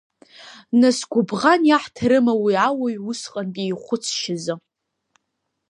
Нас, гәыбӷан иаҳҭарыма уи ауаҩ усҟантәи ихәыцшьазы?!